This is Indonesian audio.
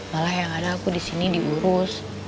malah yang ada aku disini diurus